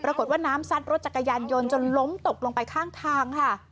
ปรากฏว่าน้ำซัดรถจักรยานยนต์จนล้มตกลงไปข้างทางค่ะ